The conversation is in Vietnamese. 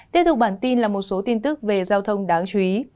tiếp tục bản tin là một số tin tức về giao thông đáng chú ý